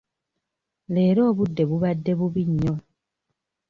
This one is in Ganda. Leero obudde bubadde bubi nnyo.